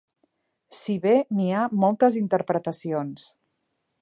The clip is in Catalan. si bé n'hi ha moltes interpretacions